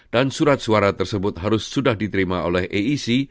dan surat suara tersebut harus sudah diterima oleh aec